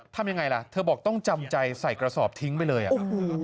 ทำยังไงล่ะเธอบอกต้องจำใจใส่กระสอบทิ้งไปเลยอ่ะ